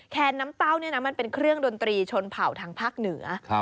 แนนน้ำเต้าเนี่ยนะมันเป็นเครื่องดนตรีชนเผ่าทางภาคเหนือ